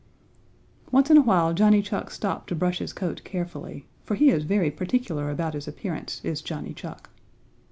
Once in a while Johnny Chuck stopped to brush his coat carefully, for he is very particular about his appearance, is Johnny Chuck.